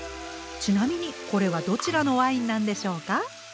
ちなみにこれはどちらのワインなんでしょうか？